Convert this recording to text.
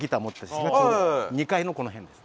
写真が２階のこの辺です。